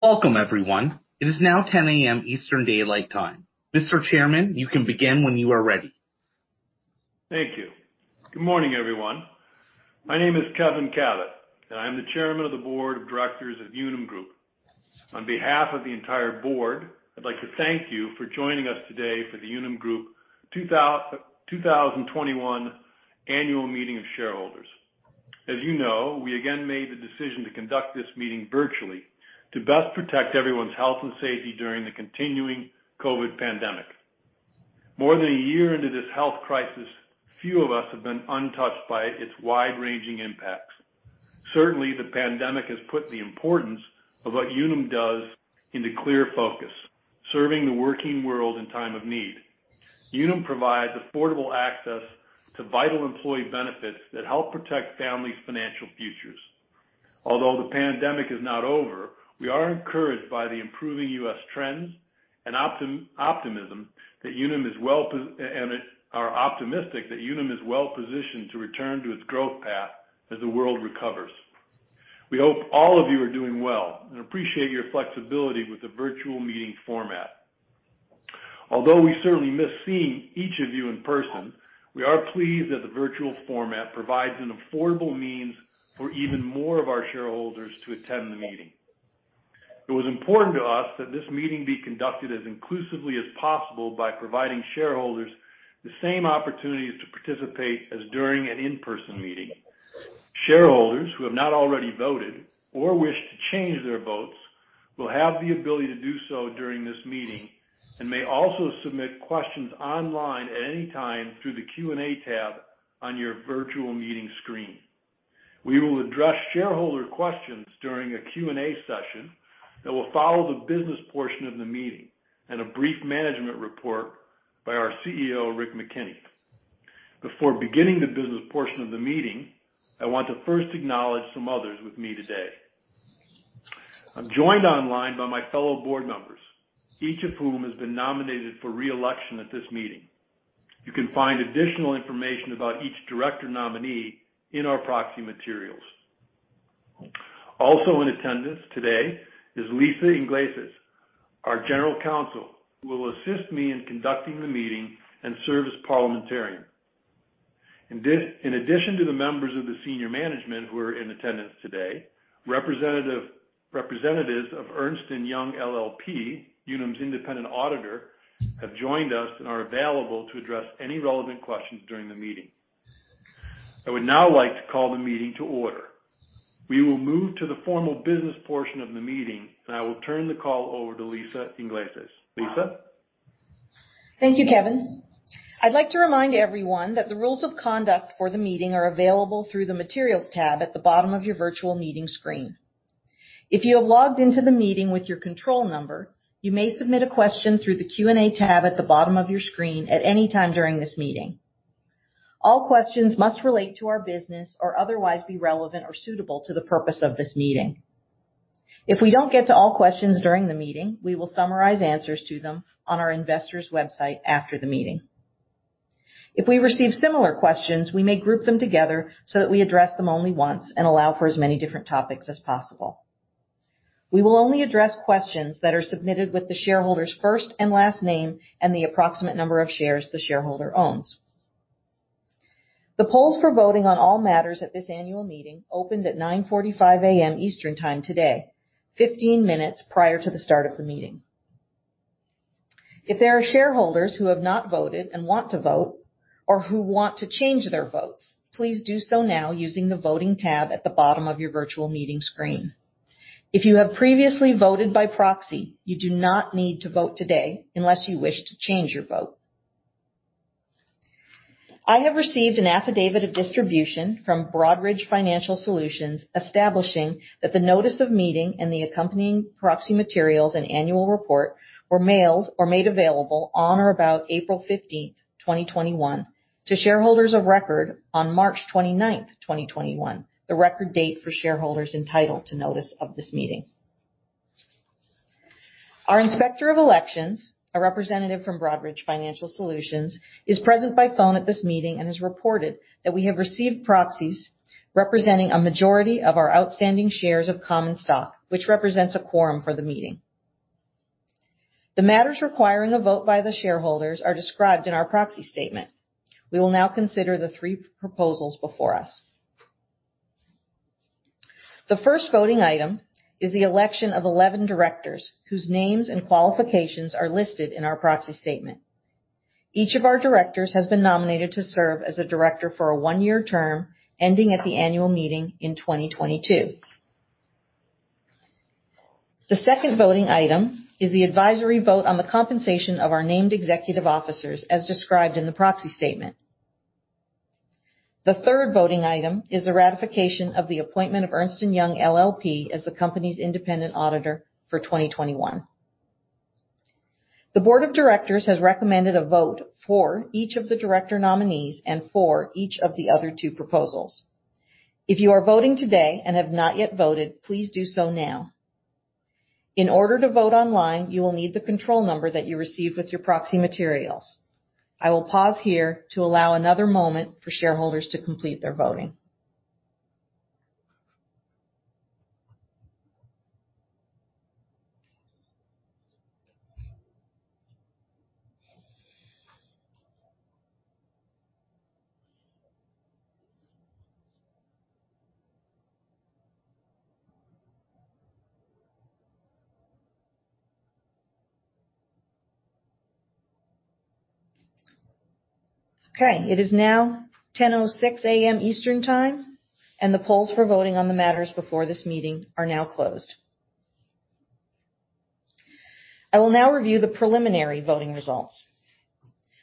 Welcome, everyone. It is now 10:00 AM Eastern Daylight Time. Mr. Chairman, you can begin when you are ready. Thank you. Good morning, everyone. My name is Kevin Kabat, and I'm the Chairman of the Board of Directors of Unum Group. On behalf of the entire board, I'd like to thank you for joining us today for the Unum Group 2021 Annual Meeting of Shareholders. As you know, we again made the decision to conduct this meeting virtually to best protect everyone's health and safety during the continuing COVID-19 pandemic. More than a year into this health crisis, few of us have been untouched by its wide-ranging impacts. Certainly, the pandemic has put the importance of what Unum does into clear focus, serving the working world in time of need. Unum provides affordable access to vital employee benefits that help protect families' financial futures. Although the pandemic is not over, we are encouraged by the improving U.S. trends and are optimistic that Unum is well-positioned to return to its growth path as the world recovers. We hope all of you are doing well and appreciate your flexibility with the virtual meeting format. Although we certainly miss seeing each of you in person, we are pleased that the virtual format provides an affordable means for even more of our shareholders to attend the meeting. It was important to us that this meeting be conducted as inclusively as possible by providing shareholders the same opportunities to participate as during an in-person meeting. Shareholders who have not already voted or wish to change their votes will have the ability to do so during this meeting and may also submit questions online at any time through the Q&A tab on your virtual meeting screen. We will address shareholder questions during a Q&A session that will follow the business portion of the meeting and a brief management report by our CEO, Rick McKenney. Before beginning the business portion of the meeting, I want to first acknowledge some others with me today. I'm joined online by my fellow board members, each of whom has been nominated for re-election at this meeting. You can find additional information about each director nominee in our proxy materials. Also in attendance today is Lisa Iglesias, our general counsel, who will assist me in conducting the meeting and serve as parliamentarian. In addition to the members of the senior management who are in attendance today, representatives of Ernst & Young LLP, Unum's independent auditor, have joined us and are available to address any relevant questions during the meeting. I would now like to call the meeting to order. We will move to the formal business portion of the meeting, and I will turn the call over to Lisa Iglesias. Lisa? Thank you, Kevin. I'd like to remind everyone that the rules of conduct for the meeting are available through the Materials tab at the bottom of your virtual meeting screen. If you have logged into the meeting with your control number, you may submit a question through the Q&A tab at the bottom of your screen at any time during this meeting. All questions must relate to our business or otherwise be relevant or suitable to the purpose of this meeting. If we don't get to all questions during the meeting, we will summarize answers to them on our investors' website after the meeting. If we receive similar questions, we may group them together so that we address them only once and allow for as many different topics as possible. We will only address questions that are submitted with the shareholder's first and last name and the approximate number of shares the shareholder owns. The polls for voting on all matters at this annual meeting opened at 9:45 A.M. Eastern Time today, 15 minutes prior to the start of the meeting. If there are shareholders who have not voted and want to vote or who want to change their votes, please do so now using the Voting tab at the bottom of your virtual meeting screen. If you have previously voted by proxy, you do not need to vote today unless you wish to change your vote. I have received an affidavit of distribution from Broadridge Financial Solutions establishing that the notice of meeting and the accompanying proxy materials and annual report were mailed or made available on or about April 15th, 2021 to shareholders of record on March 29th, 2021, the record date for shareholders entitled to notice of this meeting. Our Inspector of Elections, a Representative from Broadridge Financial Solutions, is present by phone at this meeting and has reported that we have received proxies representing a majority of our outstanding shares of common stock, which represents a quorum for the meeting. The matters requiring a vote by the shareholders are described in our proxy statement. We will now consider the three proposals before us. The first voting item is the election of 11 directors whose names and qualifications are listed in our proxy statement. Each of our directors has been nominated to serve as a director for a one-year term ending at the annual meeting in 2022. The second voting item is the advisory vote on the compensation of our named executive officers as described in the proxy statement. The third voting item is the ratification of the appointment of Ernst & Young LLP as the company's independent auditor for 2021. The Board of Directors has recommended a vote for each of the director nominees and for each of the other two proposals. If you are voting today and have not yet voted, please do so now. In order to vote online, you will need the control number that you received with your proxy materials. I will pause here to allow another moment for shareholders to complete their voting. Okay. It is now 10:06 AM Eastern Time, and the polls for voting on the matters before this meeting are now closed. I will now review the preliminary voting results.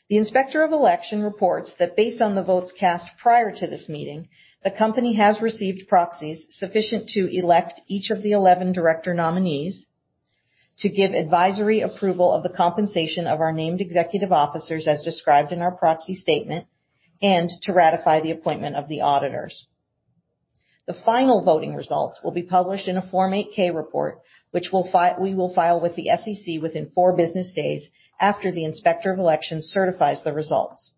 The Inspector of Election reports that based on the votes cast prior to this meeting, the company has received proxies sufficient to elect each of the 11 director nominees to give advisory approval of the compensation of our named executive officers as described in our proxy statement, and to ratify the appointment of the auditors. The final voting results will be published in a Form 8-K report, which we will file with the SEC within four business days after the Inspector of Elections certifies the results.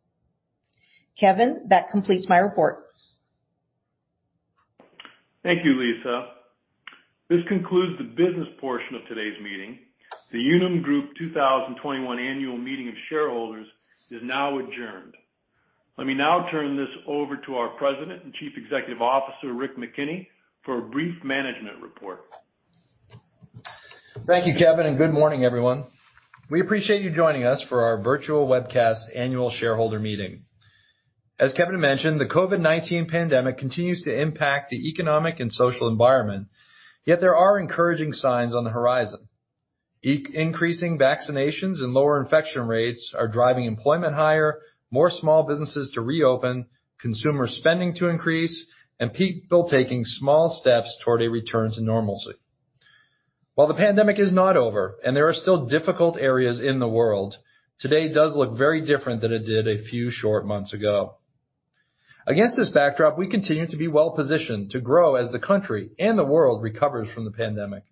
Kevin, that completes my report. Thank you, Lisa. This concludes the business portion of today's meeting. The Unum Group 2021 Annual Meeting of Shareholders is now adjourned. Let me now turn this over to our President and Chief Executive Officer, Rick McKenney, for a brief management report. Thank you, Kevin. Good morning, everyone. We appreciate you joining us for our virtual webcast Annual Shareholder Meeting. As Kevin mentioned, the COVID-19 pandemic continues to impact the economic and social environment, yet there are encouraging signs on the horizon. Increasing vaccinations and lower infection rates are driving employment higher, more small businesses to re-open, consumer spending to increase, and people taking small steps toward a return to normalcy. While the pandemic is not over and there are still difficult areas in the world, today does look very different than it did a few short months ago. Against this backdrop, we continue to be well-positioned to grow as the country and the world recovers from the pandemic.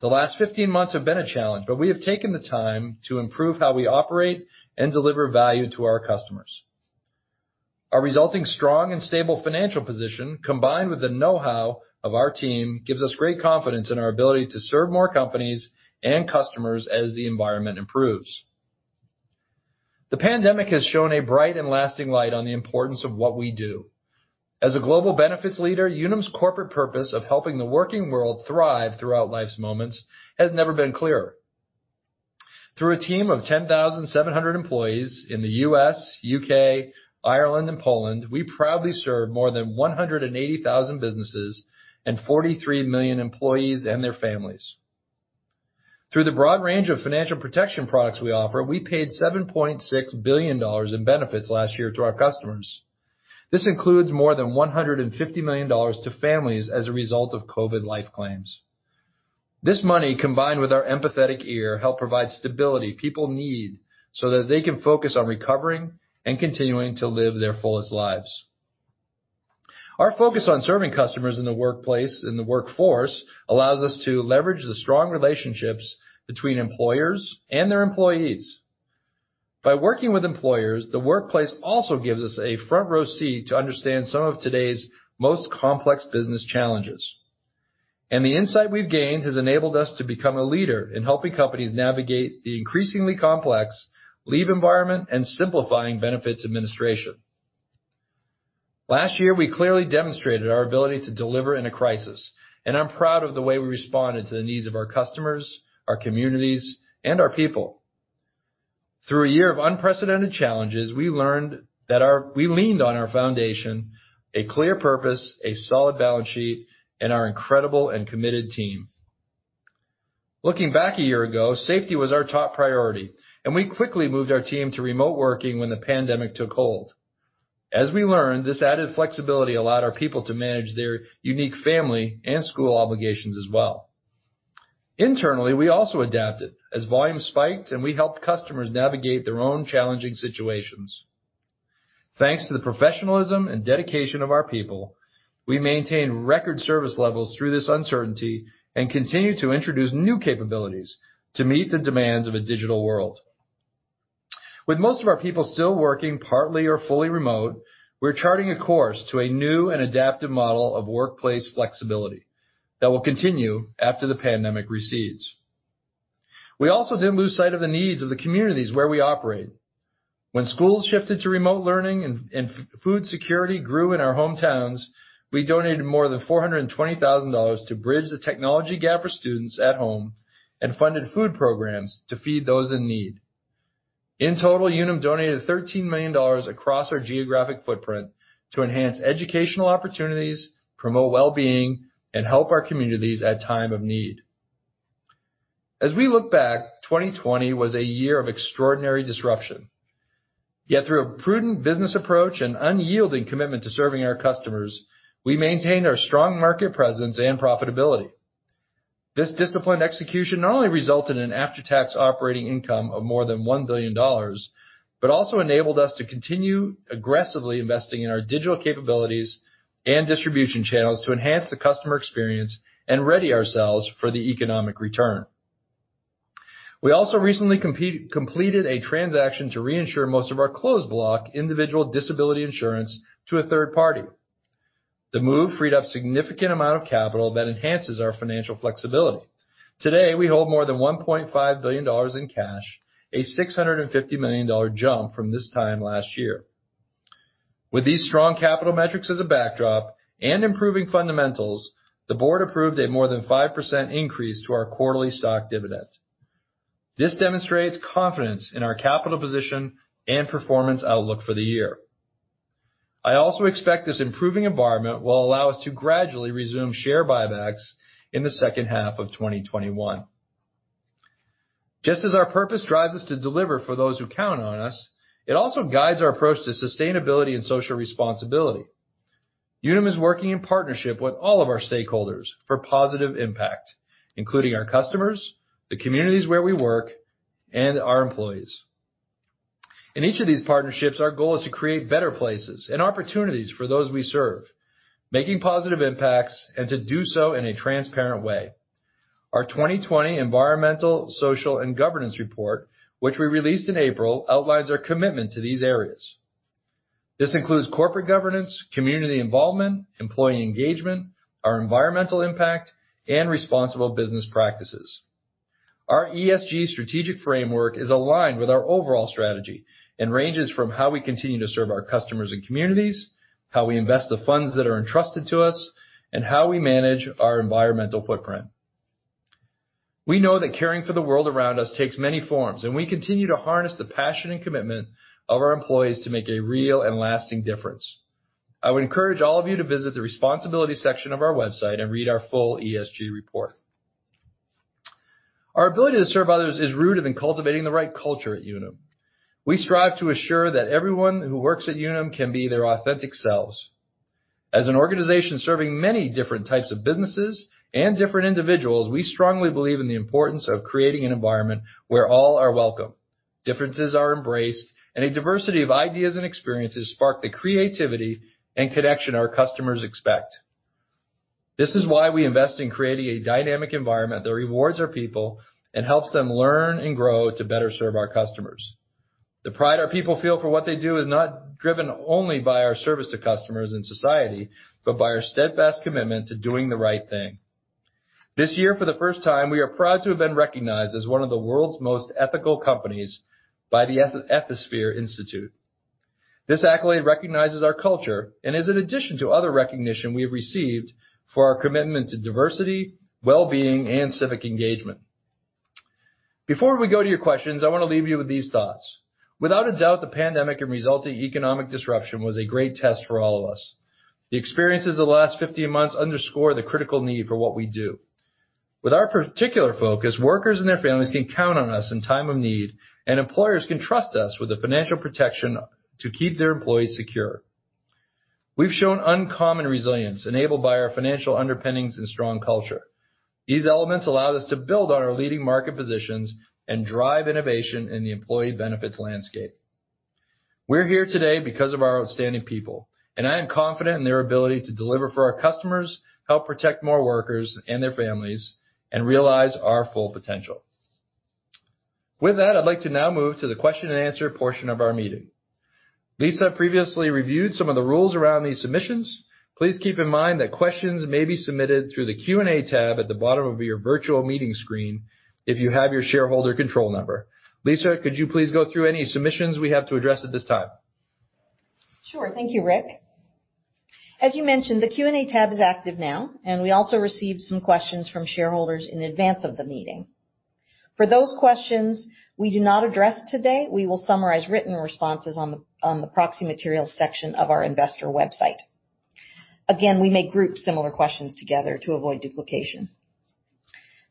The last 15 months have been a challenge, but we have taken the time to improve how we operate and deliver value to our customers. Our resulting strong and stable financial position, combined with the know-how of our team, gives us great confidence in our ability to serve more companies and customers as the environment improves. The pandemic has shone a bright and lasting light on the importance of what we do. As a global benefits leader, Unum's corporate purpose of helping the working world thrive throughout life's moments has never been clearer. Through a team of 10,700 employees in the U.S., U.K., Ireland, and Poland, we proudly serve more than 180,000 businesses and 43 million employees and their families. Through the broad range of financial protection products we offer, we paid $7.6 billion in benefits last year to our customers. This includes more than $150 million to families as a result of COVID-19 life claims. This money, combined with our empathetic ear, help provide stability people need so that they can focus on recovering and continuing to live their fullest lives. Our focus on serving customers in the workplace and the workforce allows us to leverage the strong relationships between employers and their employees. By working with employers, the workplace also gives us a front-row seat to understand some of today's most complex business challenges. The insight we've gained has enabled us to become a leader in helping companies navigate the increasingly complex leave environment and simplifying benefits administration. Last year, we clearly demonstrated our ability to deliver in a crisis. I'm proud of the way we responded to the needs of our customers, our communities, and our people. Through a year of unprecedented challenges, we leaned on our foundation, a clear purpose, a solid balance sheet, and our incredible and committed team. Looking back a year ago, safety was our top priority, and we quickly moved our team to remote working when the pandemic took hold. As we learned, this added flexibility allowed our people to manage their unique family and school obligations as well. Internally, we also adapted as volumes spiked, and we helped customers navigate their own challenging situations. Thanks to the professionalism and dedication of our people, we maintained record service levels through this uncertainty and continued to introduce new capabilities to meet the demands of a digital world. With most of our people still working partly or fully remote, we're charting a course to a new and adaptive model of workplace flexibility that will continue after the pandemic recedes. We also didn't lose sight of the needs of the communities where we operate. When schools shifted to remote learning and food security grew in our hometowns, we donated more than $420,000 to bridge the technology gap for students at home and funded food programs to feed those in need. In total, Unum donated $13 million across our geographic footprint to enhance educational opportunities, promote well-being, and help our communities at a time of need. As we look back, 2020 was a year of extraordinary disruption. Through a prudent business approach and unyielding commitment to serving our customers, we maintained our strong market presence and profitability. This disciplined execution not only resulted in after-tax operating income of more than $1 billion, but also enabled us to continue aggressively investing in our digital capabilities and distribution channels to enhance the customer experience and ready ourselves for the economic return. We also recently completed a transaction to reinsure most of our closed block individual disability insurance to a third party. The move freed up significant amount of capital that enhances our financial flexibility. Today, we hold more than $1.5 billion in cash, a $650 million jump from this time last year. With these strong capital metrics as a backdrop and improving fundamentals, the board approved a more than 5% increase to our quarterly stock dividend. This demonstrates confidence in our capital position and performance outlook for the year. I also expect this improving environment will allow us to gradually resume share buybacks in the second half of 2021. Just as our purpose drives us to deliver for those who count on us, it also guides our approach to sustainability and social responsibility. Unum is working in partnership with all of our stakeholders for positive impact, including our customers, the communities where we work, and our employees. In each of these partnerships, our goal is to create better places and opportunities for those we serve, making positive impacts, and to do so in a transparent way. Our 2020 environmental, social, and governance report, which we released in April, outlines our commitment to these areas. This includes corporate governance, community involvement, employee engagement, our environmental impact, and responsible business practices. Our ESG strategic framework is aligned with our overall strategy and ranges from how we continue to serve our customers and communities, how we invest the funds that are entrusted to us, and how we manage our environmental footprint. We know that caring for the world around us takes many forms, and we continue to harness the passion and commitment of our employees to make a real and lasting difference. I would encourage all of you to visit the responsibility section of our website and read our full ESG report. Our ability to serve others is rooted in cultivating the right culture at Unum. We strive to assure that everyone who works at Unum can be their authentic selves. As an organization serving many different types of businesses and different individuals, we strongly believe in the importance of creating an environment where all are welcome, differences are embraced, and a diversity of ideas and experiences spark the creativity and connection our customers expect. This is why we invest in creating a dynamic environment that rewards our people and helps them learn and grow to better serve our customers. The pride our people feel for what they do is not driven only by our service to customers and society, but by our steadfast commitment to doing the right thing. This year, for the first time, we are proud to have been recognized as one of the world's most ethical companies by the Ethisphere Institute. This accolade recognizes our culture and is in addition to other recognition we have received for our commitment to diversity, wellbeing, and civic engagement. Before we go to your questions, I want to leave you with these thoughts. Without a doubt, the pandemic and resulting economic disruption was a great test for all of us. The experiences of the last 15 months underscore the critical need for what we do. With our particular focus, workers and their families can count on us in time of need, and employers can trust us with the financial protection to keep their employees secure. We've shown uncommon resilience enabled by our financial underpinnings and strong culture. These elements allow us to build on our leading market positions and drive innovation in the employee benefits landscape. We're here today because of our outstanding people, and I am confident in their ability to deliver for our customers, help protect more workers and their families, and realize our full potential. With that, I'd like to now move to the question and answer portion of our meeting. Lisa previously reviewed some of the rules around these submissions. Please keep in mind that questions may be submitted through the Q&A tab at the bottom of your virtual meeting screen if you have your shareholder control number. Lisa, could you please go through any submissions we have to address at this time? Sure. Thank you, Rick. As you mentioned, the Q&A tab is active now, and we also received some questions from shareholders in advance of the meeting. For those questions we do not address today, we will summarize written responses on the proxy materials section of our investor website. Again, we may group similar questions together to avoid duplication.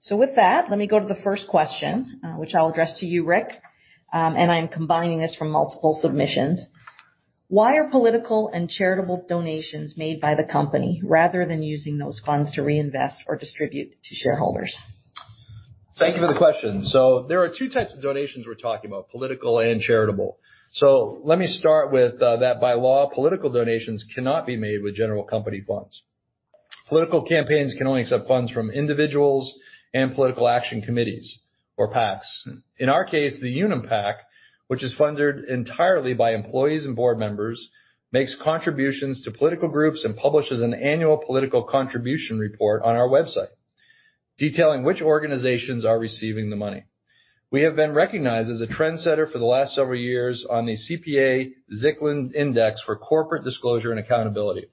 With that, let me go to the first question, which I'll address to you, Rick, and I am combining this from multiple submissions. Why are political and charitable donations made by the company rather than using those funds to re-invest or distribute to shareholders? Thank you for the question. There are two types of donations we're talking about, political and charitable. Let me start with that by law, political donations cannot be made with general company funds. Political campaigns can only accept funds from individuals and political action committees or PACs. In our case, the UnumPAC, which is funded entirely by employees and board members, makes contributions to political groups and publishes an annual political contribution report on our website detailing which organizations are receiving the money. We have been recognized as a trendsetter for the last several years on the CPA-Zicklin Index for corporate disclosure and accountability.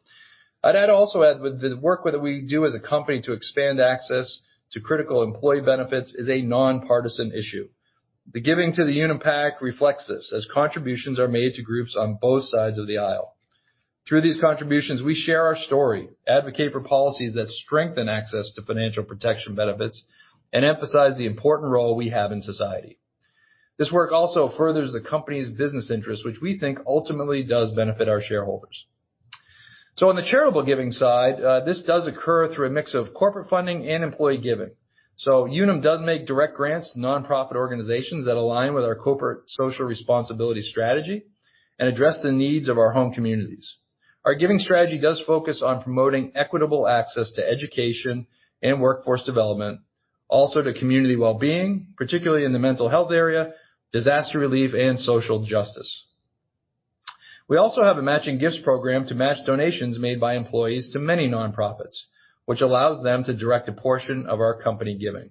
I'd also add with the work that we do as a company to expand access to critical employee benefits is a nonpartisan issue. The giving to the UnumPAC reflects this, as contributions are made to groups on both sides of the aisle. Through these contributions, we share our story, advocate for policies that strengthen access to financial protection benefits, and emphasize the important role we have in society. On the charitable giving side, this does occur through a mix of corporate funding and employee giving. Unum does make direct grants to nonprofit organizations that align with our corporate social responsibility strategy and address the needs of our home communities. Our giving strategy does focus on promoting equitable access to education and workforce development, also to community wellbeing, particularly in the mental health area, disaster relief, and social justice. We also have a matching gifts program to match donations made by employees to many nonprofits, which allows them to direct a portion of our company giving.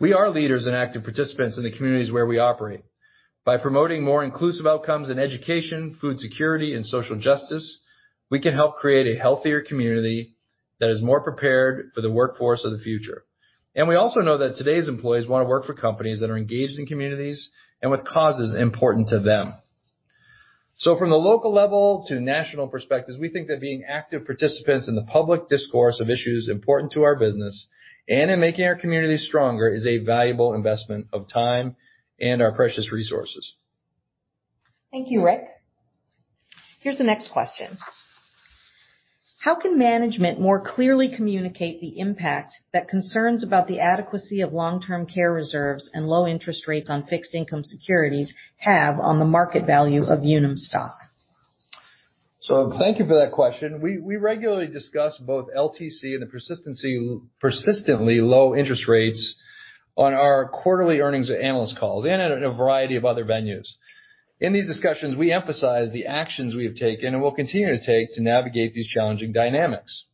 We are leaders and active participants in the communities where we operate. By promoting more inclusive outcomes in education, food security, and social justice, we can help create a healthier community that is more prepared for the workforce of the future. We also know that today's employees want to work for companies that are engaged in communities and with causes important to them. From the local level to national perspectives, we think that being active participants in the public discourse of issues important to our business and in making our communities stronger is a valuable investment of time and our precious resources. Thank you, Rick. Here's the next question. How can management more clearly communicate the impact that concerns about the adequacy of long-term care reserves and low interest rates on fixed income securities have on the market value of Unum stock? Thank you for that question. We regularly discuss both LTC and persistently low interest rates on our quarterly earnings and analyst calls and in a variety of other venues. In these discussions, we emphasize the actions we have taken and will continue to take to navigate these challenging dynamics.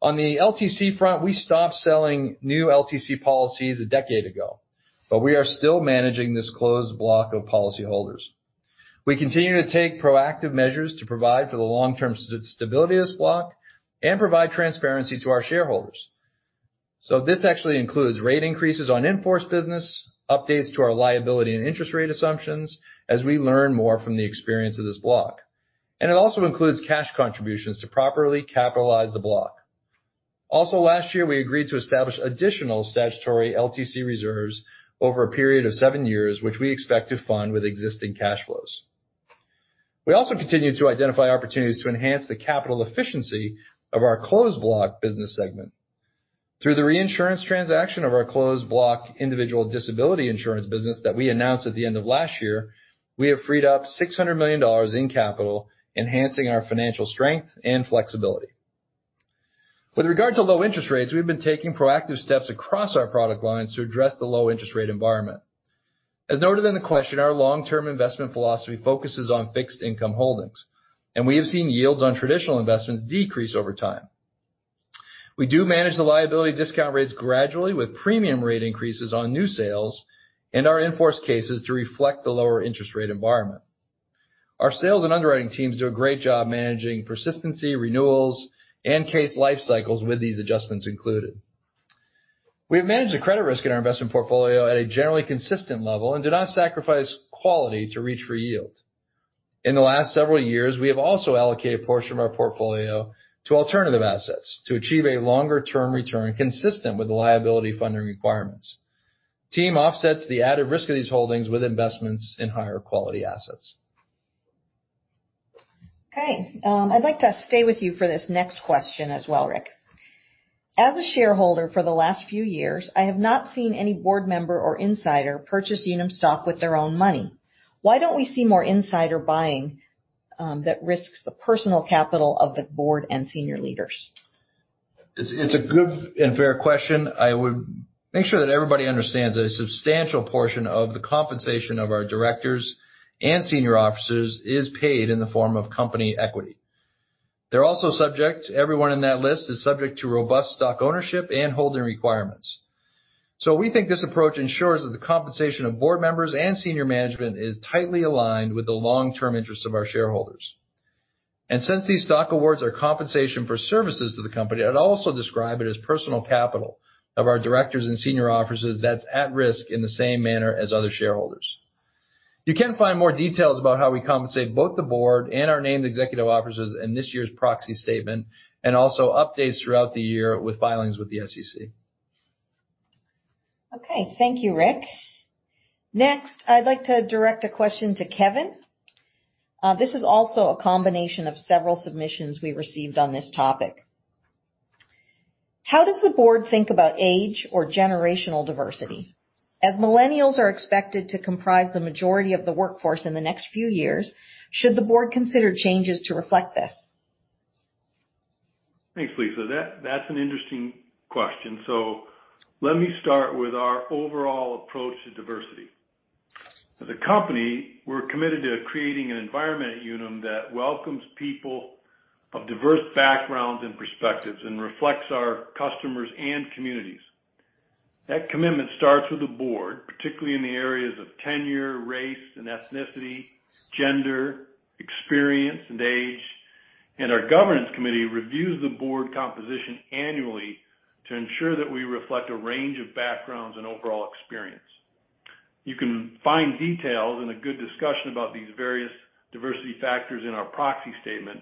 On the LTC front, we stopped selling new LTC policies a decade ago, but we are still managing this closed block of policyholders. We continue to take proactive measures to provide for the long-term stability of this block and provide transparency to our shareholders. This actually includes rate increases on in-force business, updates to our liability and interest rate assumptions as we learn more from the experience of this block, and it also includes cash contributions to properly capitalize the block. Also, last year, we agreed to establish additional statutory LTC reserves over a period of seven years, which we expect to fund with existing cash flows. We also continue to identify opportunities to enhance the capital efficiency of our closed block business segment. Through the reinsurance transaction of our closed block individual disability insurance business that we announced at the end of last year, we have freed up $600 million in capital, enhancing our financial strength and flexibility. With regard to low interest rates, we've been taking proactive steps across our product lines to address the low interest rate environment. As noted in the question, our long-term investment philosophy focuses on fixed income holdings, and we have seen yields on traditional investments decrease over time. We do manage the liability discount rates gradually with premium rate increases on new sales and our in-force cases to reflect the lower interest rate environment. Our sales and underwriting teams do a great job managing persistency renewals and case life cycles with these adjustments included. We've managed the credit risk in our investment portfolio at a generally consistent level and do not sacrifice quality to reach for yield. In the last several years, we have also allocated a portion of our portfolio to alternative assets to achieve a longer-term return consistent with the liability funding requirements. The team offsets the added risk of these holdings with investments in higher quality assets. Okay. I'd like to stay with you for this next question as well, Rick. As a shareholder for the last few years, I have not seen any board member or insider purchase Unum stock with their own money. Why don't we see more insider buying that risks the personal capital of the board and senior leaders? It's a good and fair question. I would make sure that everybody understands that a substantial portion of the compensation of our directors and senior officers is paid in the form of company equity. Everyone in that list is subject to robust stock ownership and holding requirements. We think this approach ensures that the compensation of board members and senior management is tightly aligned with the long-term interest of our shareholders. Since these stock awards are compensation for services to the company, I'd also describe it as personal capital of our directors and senior officers that's at risk in the same manner as other shareholders. You can find more details about how we compensate both the board and our named executive officers in this year's proxy statement and also updates throughout the year with filings with the SEC. Okay. Thank you, Rick. Next, I'd like to direct a question to Kevin. This is also a combination of several submissions we received on this topic. How does the Board think about age or generational diversity? As Millennials are expected to comprise the majority of the workforce in the next few years, should the Board consider changes to reflect this? Thanks, Lisa. That's an interesting question. Let me start with our overall approach to diversity. As a company, we're committed to creating an environment at Unum that welcomes people of diverse backgrounds and perspectives and reflects our customers and communities. That commitment starts with the board, particularly in the areas of tenure, race and ethnicity, gender, experience, and age, and our governance committee reviews the board composition annually to ensure that we reflect a range of backgrounds and overall experience. You can find details and a good discussion about these various diversity factors in our proxy statement,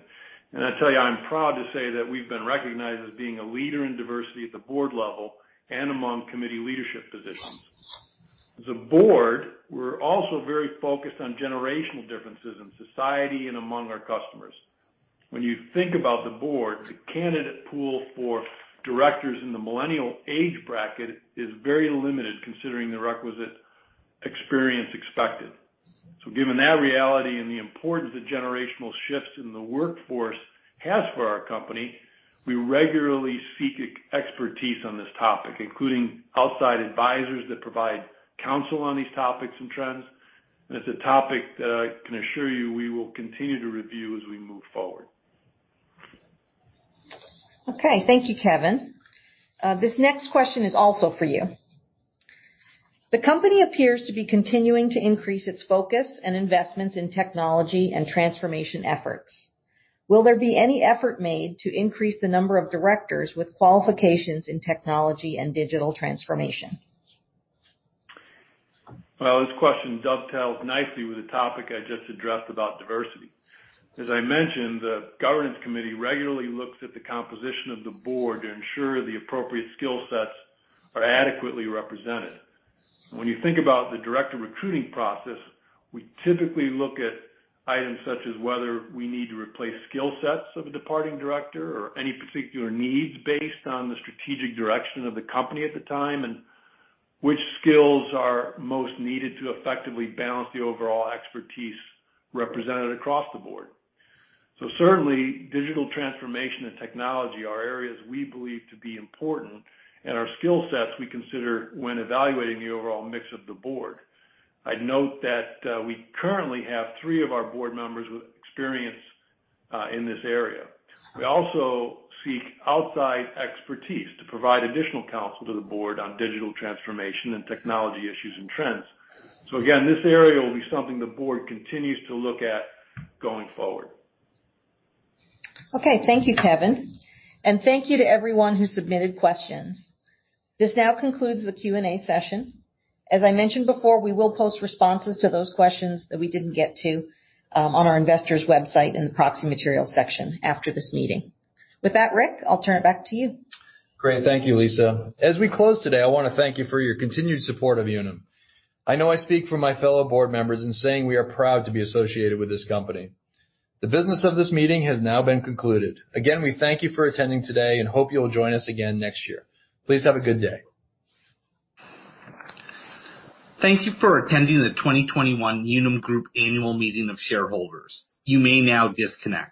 and I tell you, I'm proud to say that we've been recognized as being a leader in diversity at the board level and among committee leadership positions. As a board, we're also very focused on generational differences in society and among our customers. When you think about the Board, the candidate pool for directors in the millennial age bracket is very limited considering the requisite experience expected. Given that reality and the importance that generational shifts in the workforce has for our company, we regularly seek expertise on this topic, including outside advisors that provide counsel on these topics and trends. It's a topic that I can assure you we will continue to review as we move forward. Okay. Thank you, Kevin. This next question is also for you. The company appears to be continuing to increase its focus and investments in technology and transformation efforts. Will there be any effort made to increase the number of directors with qualifications in technology and digital transformation? Well, this question dovetails nicely with the topic I just addressed about diversity. As I mentioned, the governance committee regularly looks at the composition of the board to ensure the appropriate skill sets are adequately represented. When you think about the director recruiting process, we typically look at items such as whether we need to replace skill sets of a departing director or any particular needs based on the strategic direction of the company at the time, and which skills are most needed to effectively balance the overall expertise represented across the board. Certainly, digital transformation and technology are areas we believe to be important and are skill sets we consider when evaluating the overall mix of the board. I'd note that we currently have three of our board members with experience in this area. We also seek outside expertise to provide additional counsel to the board on digital transformation and technology issues and trends. Again, this area will be something the board continues to look at going forward. Okay. Thank you, Kevin. Thank you to everyone who submitted questions. This now concludes the Q&A session. As I mentioned before, we will post responses to those questions that we didn't get to on our investors website in the proxy material section after this meeting. With that, Rick, I'll turn it back to you. Great. Thank you, Lisa. As we close today, I want to thank you for your continued support of Unum. I know I speak for my fellow board members in saying we are proud to be associated with this company. The business of this meeting has now been concluded. Again, we thank you for attending today and hope you'll join us again next year. Please have a good day. Thank you for attending the 2021 Unum Group Annual Meeting of Shareholders. You may now disconnect.